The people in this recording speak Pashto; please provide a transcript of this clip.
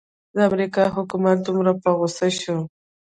د امریکا حکومت دومره په غوسه شو.